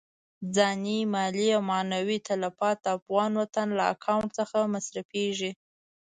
ځاني، مالي او معنوي تلفات د افغان وطن له اکاونټ څخه مصرفېږي.